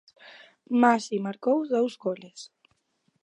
Maxi marcou dous goles.